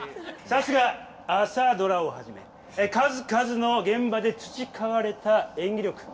さすが朝ドラをはじめ数々の現場で培われた演技力。